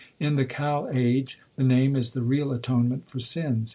In the Kal age the Name is the real atonement for sins.